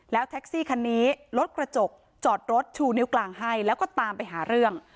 แท็กซี่คันนี้รถกระจกจอดรถชูนิ้วกลางให้แล้วก็ตามไปหาเรื่อง